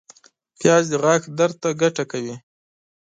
پیاز د غاښ درد ته ګټه کوي